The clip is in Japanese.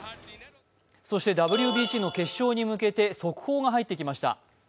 ＷＢＣの決勝に向けて速報が入ってきました。